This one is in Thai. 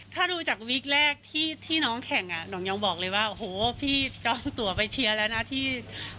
ถ้าดูจากวีคแรกที่น้องแข่งอ่ะหน่องยังบอกเลยว่าโอ้โหพี่จองตัวไปเชียร์แล้วนะที่